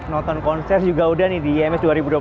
nonton konser juga udah nih di ims dua ribu dua puluh tiga